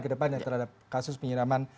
ke depannya terhadap kasus penyiraman